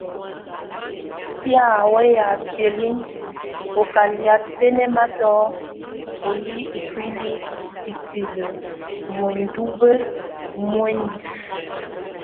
Si á weya sielin o hʼ á lia tɛnɛmato o yʼ íkulik hiseli nʼ óndiɔbɛ muenífe.